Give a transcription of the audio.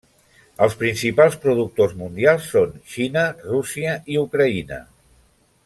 Els principals productors mundials són Xina, Rússia i Ucraïna.